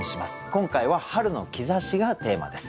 今回は「春の兆し」がテーマです。